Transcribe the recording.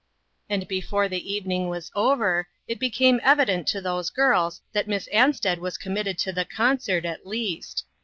And before the evening was over, it be came evident to those girls that Miss An sted was committed to the concert, at least.